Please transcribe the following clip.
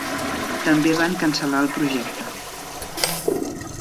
També van cancel·lar el projecte.